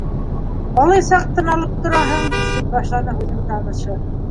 Ҡалай саҡ тын алып тораһың, - тип башланы һүҙен танышы.